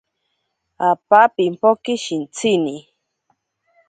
Apa pimpoke shintsini.